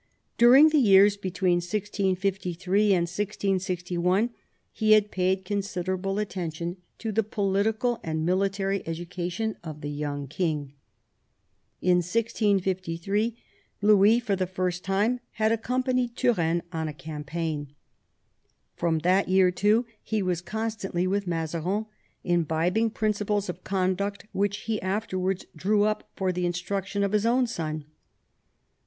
During the years between 1653 and 1661 he had paid considerable attention to the political and military education of the young king. In 1653 Louis for the first time had accompanied Turenne on a campaign. From that year, too, he was constantly with Mazarin, imbibing principles of conduct which he afterwards drew up for the in struction of his own son.